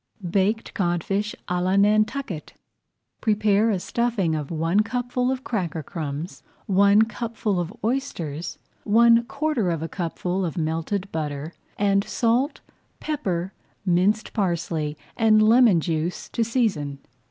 BAKED CODFISH À LA NANTUCKET Prepare a stuffing of one cupful of cracker crumbs, one cupful of oysters, one quarter of a cupful of melted butter, and salt, pepper, minced parsley, and lemon juice to season.